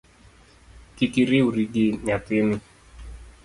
Kik iriwri gi nyathini